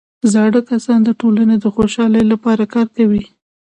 زاړه کسان د ټولنې د خوشحالۍ لپاره کار کوي